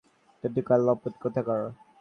চাটুকার লম্পট কোথাকার।